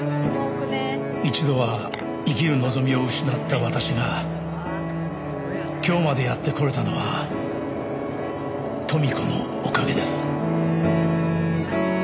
「一度は生きる望みを失った私が今日までやってこれたのは豊美子のおかげです」